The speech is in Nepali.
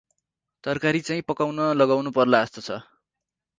तरकारी चाहिँ पकाउन लगाउन पर्ला जस्तो छ ।